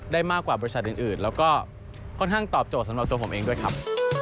มากกว่าบริษัทอื่นแล้วก็ค่อนข้างตอบโจทย์สำหรับตัวผมเองด้วยครับ